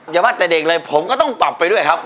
อย่าว่าแต่เด็กเลยผมก็ต้องปรับไปด้วยครับ